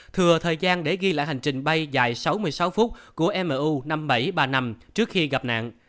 thừa thời gian để ghi lại hành trình bay dài sáu mươi sáu phút của miu năm nghìn bảy trăm ba mươi năm trước khi gặp nạn